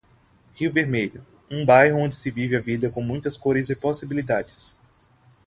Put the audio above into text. Rio Vermelho, um bairro onde se vive a vida com muitas cores e possibilidades.